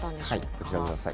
こちらご覧ください。